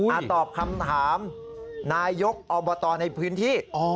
ตอบคำถามนายกอบตในพื้นที่